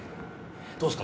どうっすか？